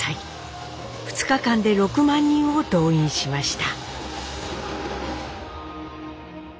２日間で６万人を動員しました。